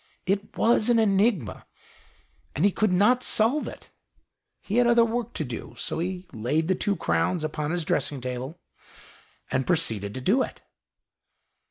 It was an enigma, and he could not solve it. He had other work to do, so he laid the two crowns upon his dressing table, and proceeded to do it.